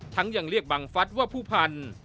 ยังเรียกบังฟัฐว่าผู้พันธุ์